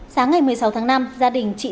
sáng ngày một mươi sáu tháng năm gia đình trị trị